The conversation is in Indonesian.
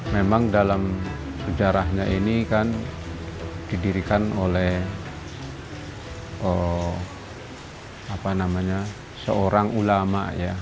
memang dalam sejarahnya ini kan didirikan oleh seorang ulama